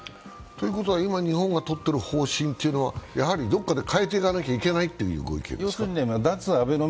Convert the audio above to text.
ということは、今日本がとっている方針というのはどこかで変えていかなきゃいけないというご意見ですか？